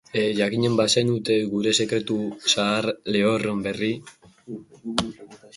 Jakinen bazenute gure sekretu zahar lehorron berri!...